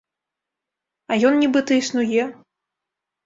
А ён нібыта існуе!